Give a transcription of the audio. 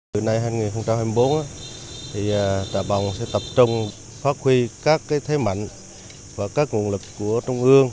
từ nay hai nghìn hai mươi bốn trà bồng sẽ tập trung phát huy các thế mạnh và các nguồn lực của trung ương